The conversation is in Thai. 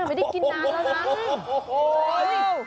ไม่ได้กินน้ำแล้วนะ